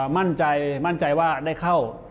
มั่นใจมั่นใจว่าได้เข้า